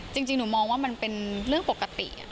จริงหนูมองว่ามันเป็นเรื่องปกติ